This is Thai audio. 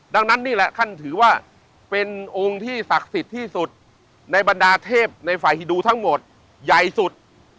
ดังนั้นนี่แหละท่านถือว่าเป็นองค์ที่ศักดิ์สิทธิ์ที่สุดในบรรดาเทพในฝ่ายฮิดูทั้งหมดใหญ่สุด